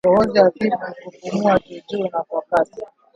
Kikohozi hafifu kupumua juujuu na kwa kasi